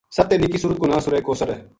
سب تے نکی سورت کو ناں سورۃ کوثر ہے۔